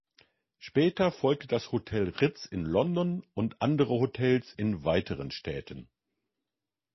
Später folgte das Hotel Ritz in London und andere Hotels in weiteren Städten.